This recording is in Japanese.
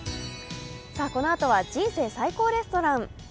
この後は「人生最高レストラン」。